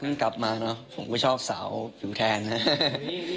เพิ่งเกิดกลับมาเนาะผมก็ชอบสาวผิวแทนนะ